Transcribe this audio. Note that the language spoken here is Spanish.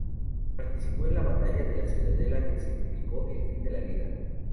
Participó en la batalla de La Ciudadela, que significó el fin de la Liga.